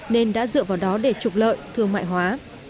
nên đã dựa vào đó để trục lợi thương mại hóa